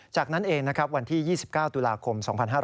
จากนั้นเองวันที่๒๙ตุลาคม๒๕๕๙